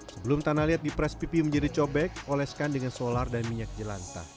sebelum tanah liat di pres pipi menjadi cobek oleskan dengan solar dan minyak jelanta